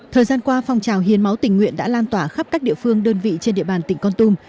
thời gian qua phong trào hiến máu tình nguyện đã lan tỏa khắp các địa phương đơn vị trên địa bàn tỉnh con tum